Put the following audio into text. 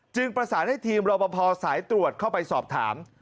ประสานให้ทีมรอปภสายตรวจเข้าไปสอบถาม